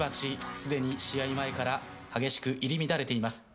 すでに試合前から激しく入り乱れています。